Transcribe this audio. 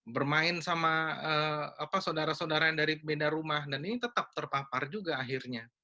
bermain sama saudara saudara yang dari beda rumah dan ini tetap terpapar juga akhirnya